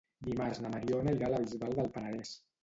Dimarts na Mariona irà a la Bisbal del Penedès.